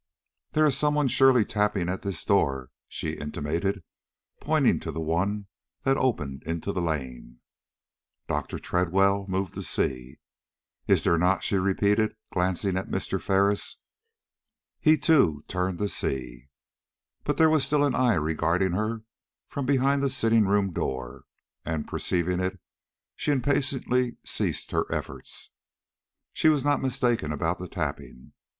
"There is some one surely tapping at this door," she intimated, pointing to the one that opened into the lane. Dr. Tredwell moved to see. "Is there not?" she repeated, glancing at Mr. Ferris. He, too, turned to see. But there was still an eye regarding her from behind the sitting room door, and, perceiving it, she impatiently ceased her efforts. She was not mistaken about the tapping.